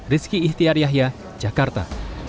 rizky ihtiar yahya jakarta